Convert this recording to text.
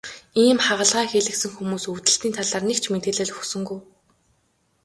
Ийм хагалгаа хийлгэсэн хүмүүс өвдөлтийн талаар нэг ч мэдээлэл өгсөнгүй.